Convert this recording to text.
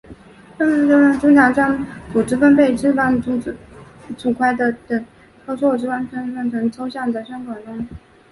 分配算法经常将组织分配释放组块等操作封装成抽象的接口供上层函数调用。